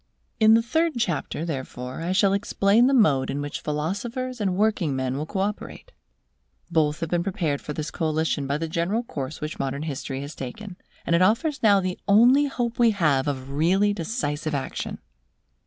In the third chapter, therefore, I shall explain the mode in which philosophers and working men will co operate. Both have been prepared for this coalition by the general course which modern history has taken, and it offers now the only hope we have of really decisive action.